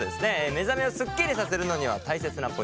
目覚めをスッキリさせるのには大切なポイントがあります。